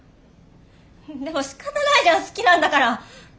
でもしかたないじゃん好きなんだから！